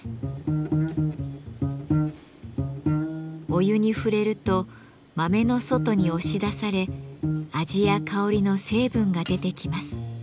お湯に触れると豆の外に押し出され味や香りの成分が出てきます。